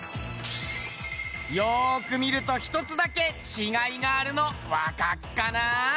よーく見ると１つだけ違いがあるのわかるかな？